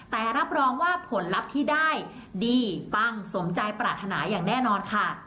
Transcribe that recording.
แต่รับรองว่าผลลัพธ์ที่ได้ดีปังสมใจปรารถนาอย่างแน่นอนค่ะ